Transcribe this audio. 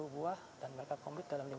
empat puluh buah dan mereka komit dalam